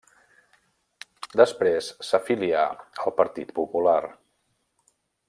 Després, s'afilià al Partit Popular.